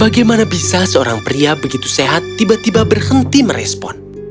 bagaimana bisa seorang pria begitu sehat tiba tiba berhenti merespon